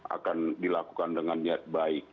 akan dilakukan dengan niat baik